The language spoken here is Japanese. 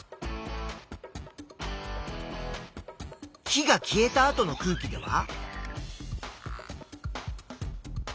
火が消えた後の空気では？